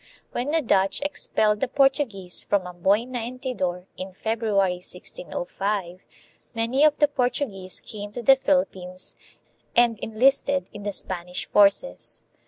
When the Dutch expelled the Portuguese from Amboina and Tidor in Feb ruary, 1605, many of the Portuguese came to the Phil ippines and enlisted in the Spanish forces.